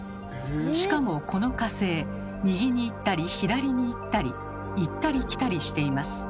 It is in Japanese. しかもこの火星右に行ったり左に行ったり行ったり来たりしています。